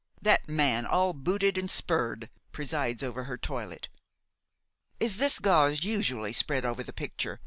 That man, all booted and spurred, presides over her toilet. Is this gauze usually spread over the picture?"